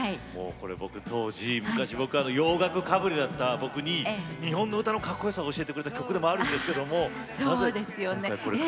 僕、当時、昔洋楽かぶれだった僕に日本の歌のかっこよさを教えてくれた曲でもあるんですけどなぜ、今回、カバーを。